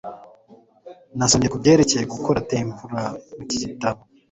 Nasomye kubyerekeye gukora tempura mu gitabo.